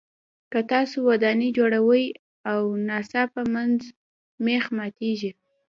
که تاسو ودانۍ جوړوئ او ناڅاپه مېخ ماتیږي.